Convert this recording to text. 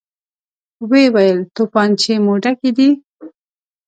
ويې ويل: توپانچې مو ډکې دي؟